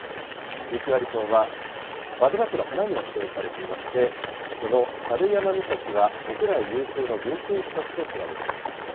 雪割り草は、輪島市の花にも指定されていまして、この猿山岬は、国内有数の群生地として知られています。